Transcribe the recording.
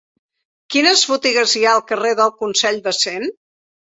Quines botigues hi ha al carrer del Consell de Cent?